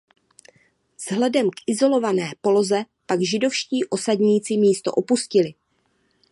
Vzhledem k izolované poloze pak židovští osadníci místo opustili.